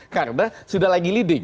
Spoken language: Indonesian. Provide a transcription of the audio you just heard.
karena sudah lagi leading